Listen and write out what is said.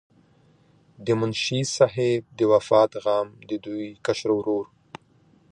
د منشي صاحب د وفات غم د دوي کشر ورور